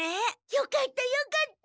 よかったよかった。